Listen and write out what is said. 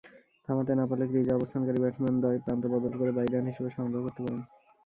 থামাতে না পারলে ক্রিজে অবস্থানকারী ব্যাটসম্যানদ্বয় প্রান্ত বদল করে বাই হিসেবে রান সংগ্রহ করতে পারেন।